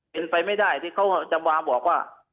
เป็นไปไม่ได้ที่เขาจะมาบอกว่า